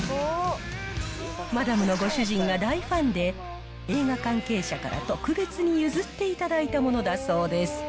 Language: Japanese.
マダムのご主人が大ファンで、映画関係者から特別に譲っていただいたものだそうです。